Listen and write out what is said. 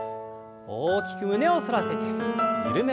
大きく胸を反らせて緩めます。